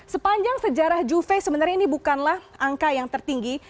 sepanjang sejarah juve sebenarnya ini bukanlah angka yang tertinggi